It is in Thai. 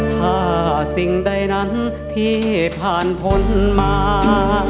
ถ้าสิ่งใดนั้นที่ผ่านพ้นมา